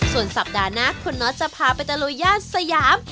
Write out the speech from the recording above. ส่วนสัปดาห์หน้าคุณน็อตจะพาไปตะลุยย่านสยาม